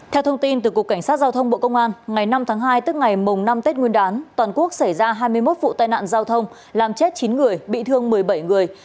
theo thông tin từ cục cảnh sát giao thông bộ công an ngày năm tháng hai tức ngày mùng năm tết nguyên đán toàn quốc xảy ra hai mươi một vụ tai nạn giao thông làm chết chín người bị thương một mươi bảy người